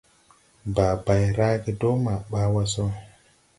Bàa bay rage dɔɔ ma ɓaa wà sɔ.